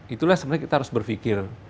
itulah sebenarnya kita harus berpikir